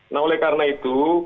nah oleh karena itu